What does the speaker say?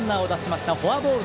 フォアボール。